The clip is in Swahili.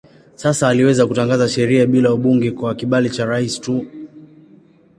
Sasa aliweza kutangaza sheria bila bunge kwa kibali cha rais tu.